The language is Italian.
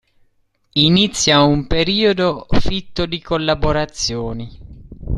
Inizia un periodo fitto di collaborazioni.